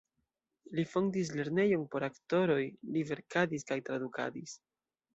Li fondis lernejon por aktoroj, li verkadis kaj tradukadis.